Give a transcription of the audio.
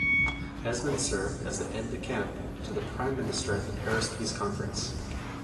Esmond served as Aide-de-Camp to the Prime Minister at the Paris Peace Conference.